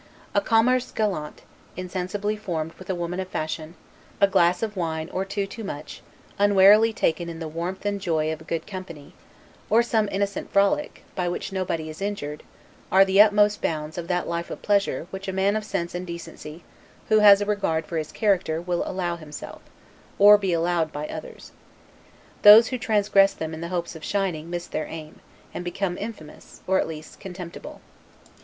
A 'commerce galant', insensibly formed with a woman of fashion; a glass of wine or two too much, unwarily taken in the warmth and joy of good company; or some innocent frolic, by which nobody is injured, are the utmost bounds of that life of pleasure, which a man of sense and decency, who has a regard for his character, will allow himself, or be allowed by others. Those who transgress them in the hopes of shining, miss their aim, and become infamous, or at least, contemptible.